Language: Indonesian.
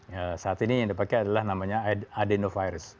ya saat ini yang dipakai adalah namanya adenovirus